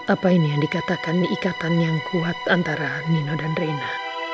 apa ini yang dikatakan ikatan yang kuat antara nino dan reina